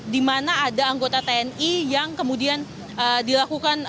dimana ada anggota tni yang kemudian dilakukan